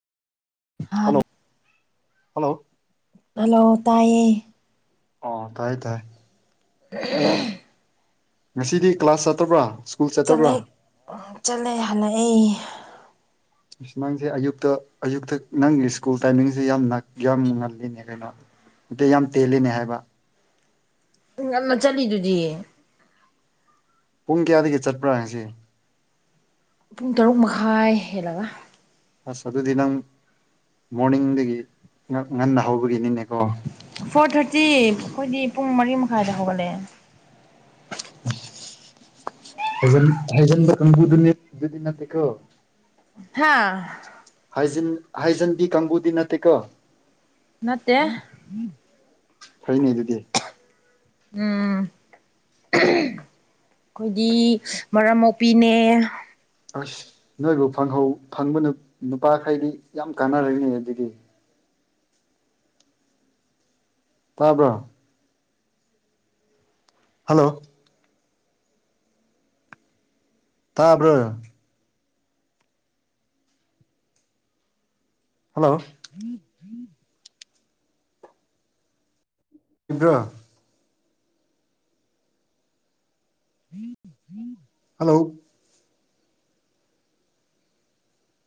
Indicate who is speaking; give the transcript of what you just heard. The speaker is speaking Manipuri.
Speaker 1: ꯍꯥ
Speaker 2: ꯍꯜꯂꯣ ꯍꯜꯂꯣ
Speaker 1: ꯍꯜꯂꯣ ꯇꯥꯏꯌꯦꯦ
Speaker 2: ꯑꯣ ꯇꯥꯏ ꯇꯥꯏ
Speaker 1: [unintelligible]
Speaker 2: ꯉꯁꯤꯗꯤ ꯀ꯭ꯂꯥꯁ ꯆꯠꯇꯕ꯭ꯔꯥ ꯁ꯭ꯀꯨꯜ ꯆꯠꯇꯕ꯭ꯔꯥ
Speaker 1: ꯆꯠꯂꯦ ꯆꯠꯂꯦ ꯍꯜꯂꯛ ꯑꯩ
Speaker 2: ꯑꯁ ꯅꯪꯁꯦ ꯑꯌꯨꯛꯇ ꯑꯌꯨꯛꯇ ꯅꯪꯒꯤ ꯁ꯭ꯀꯨꯜ ꯇꯥꯏꯃꯤꯡꯁꯦ ꯌꯥꯝ ꯌꯥꯝ ꯉꯜꯂꯤꯅꯦ ꯀꯩꯅꯣ ꯑ ꯌꯥꯝ ꯇꯦꯜꯂꯤꯅꯦ ꯍꯥꯏꯕ
Speaker 1: ꯉꯅ ꯆꯠꯂꯤꯗꯨꯗꯤ
Speaker 2: ꯄꯨꯡ ꯀꯌꯥꯗꯒꯤ ꯆꯠꯄ꯭ꯔꯥ ꯍꯥꯏꯁꯤ
Speaker 1: ꯄꯨꯡ ꯇꯔꯨꯛ ꯃꯈꯥꯏ ꯍꯦꯜꯂꯒ
Speaker 2: ꯑꯁ ꯑꯗꯨꯗꯤ ꯅꯪ ꯃꯣꯔꯅꯤꯡꯗꯒꯤ ꯉꯟꯅ ꯍꯧꯕꯒꯤꯅꯤꯅꯦ
Speaker 1: ꯐꯣꯔ ꯊꯥꯔꯇꯤ ꯑꯩꯈꯣꯏꯗꯤ ꯄꯨꯡ ꯃꯔꯤ ꯃꯈꯥꯏꯗ ꯍꯧꯒꯠꯂꯦ
Speaker 2: [unintelligible] ꯍꯩꯖꯟ ꯍꯩꯖꯟꯗ ꯀꯪꯨꯗꯨꯅꯤ ꯑꯗꯨꯗꯤ ꯅꯠꯇꯦꯀꯣ
Speaker 1: ꯍꯥꯥ
Speaker 2: ꯍꯥꯏꯟ ꯍꯥꯏꯖꯤꯟꯗꯤ ꯀꯥꯡꯕꯨꯗꯤ ꯅꯠꯇꯦꯀꯣ
Speaker 1: ꯅꯠꯇꯦ
Speaker 2: ꯐꯩꯅꯦ ꯑꯗꯨꯗꯤ
Speaker 1: ꯎꯝ ꯑꯩꯈꯣꯏꯒꯤ ꯃꯔꯝ ꯃꯨꯄꯤꯅꯦ
Speaker 2: ꯑꯁ ꯅꯣꯏꯕꯨ ꯐꯪꯍꯧ ꯐꯪꯕ ꯅꯨ ꯅꯨꯄꯥꯈꯩꯗꯤ ꯌꯥꯝ ꯀꯥꯟꯅꯔꯅꯤ ꯑꯗꯨꯗꯤ ꯇꯥꯕ꯭ꯔꯣ ꯍꯜꯂꯣ ꯇꯥꯕ꯭ꯔꯣ ꯍꯜꯂꯣ ꯄꯗ꯭ꯔꯣ ꯍꯜꯂꯣ